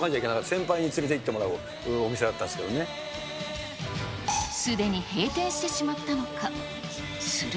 先輩に連れて行ってもらうお店だすでに閉店してしまったのか。